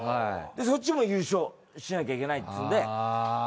そっちも優勝しなきゃいけないっつうんで。